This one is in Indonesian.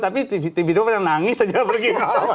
tapi tv dua nangis aja pergi